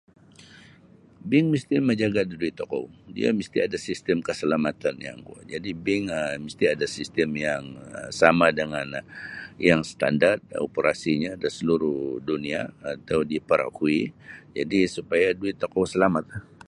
Bank misti mamajaga da duit tokou iyo mesti ada sistem keselamatan yang kuo jadi bank um misti ada sistem yang sama dengan yang standard operasinyo da seluruh dunia atau diperakui supaya duit tokou selamatlah'.